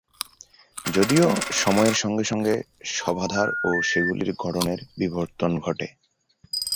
যদিও সময়ের সঙ্গে সঙ্গে শবাধার ও সেগুলির গড়নের বিবর্তন ঘটে।